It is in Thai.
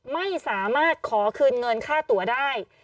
ไม่สามารถขอคืนเงินค่าตัวได้